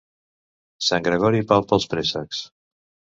Sant Gregori palpa els préssecs.